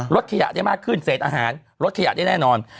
ลดขยะได้มากขึ้นเศษอาหารลดขยะได้แน่นอน